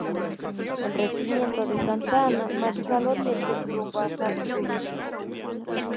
El regimiento de Santa Anna marchó al oriente, rumbo a Harrisburg.